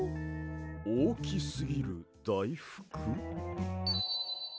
おおきすぎるだいふく？